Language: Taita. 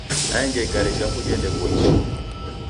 Naenja igare japo jendeboiswa.